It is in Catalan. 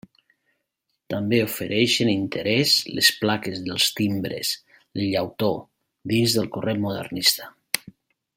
També ofereixen interès les plaques dels timbres, de llautó, dins del corrent modernista.